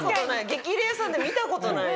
『激レアさん』で見た事ない。